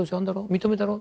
認めたろ。